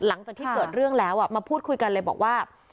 หลังจากที่เกิดเรื่องแล้วมาพูดคุยกันเลยบอกว่า